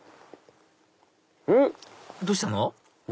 うん⁉どうしたの？